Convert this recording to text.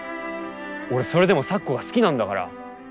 俺それでも咲子が好きなんだから。